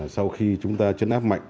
sau khi chúng ta chấn áp mạnh